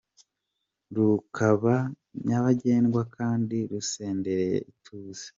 rukaba nyabagendwa kandi rusendereye ituze.